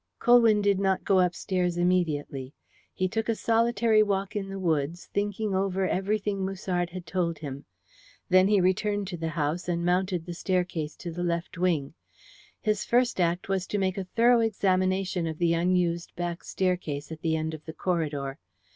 Colwyn did not go upstairs immediately. He took a solitary walk in the woods, thinking over everything that Musard had told him. Then he returned to the house and mounted the staircase to the left wing. His first act was to make a thorough examination of the unused back staircase at the end of the corridor.